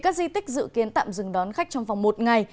các di tích dự kiến tạm dừng đón khách trong vòng một ngày